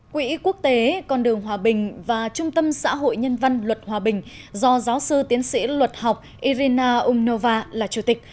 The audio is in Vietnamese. quỹ quốc tế con đường hòa bình và trung tâm xã hội nhân văn luật hòa bình do giáo sư tiến sĩ luật học irina umnova là chủ tịch